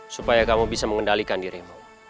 supaya kamu bisa mengendalikan dirimu